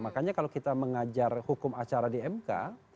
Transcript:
makanya kalau kita mengajar hukum acara di mk